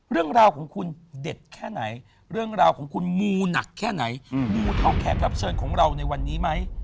เรื่องราวของคุณเด็ดแค่ไหนเรื่องราวของคุณมูหนักแค่ไหนมูเท่าแขกรับเชิญของเราในวันนี้ไหม